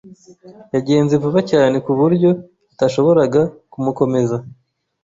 Yagenze vuba cyane ku buryo atashoboraga kumukomeza.